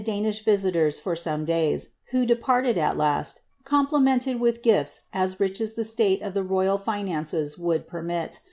Danish visitors for some inn, whcj deparlpd, at last, compiimenieu wUti presents as rich as the siale of the royal finances would permit.